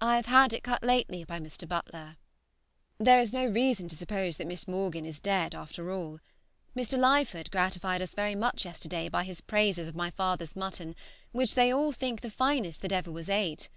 I have had it cut lately by Mr. Butler. There is no reason to suppose that Miss Morgan is dead after all. Mr. Lyford gratified us very much yesterday by his praises of my father's mutton, which they all think the finest that was ever ate.